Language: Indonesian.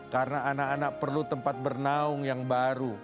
karena anak anak perlu tempat bernaung yang baru